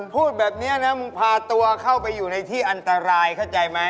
พูดแบบนี้นะมึงพาตัวเข้าไปอยู่ในที่อันตรายเข้าใจไหม